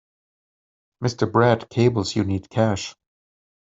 Mr. Brad cables you need cash.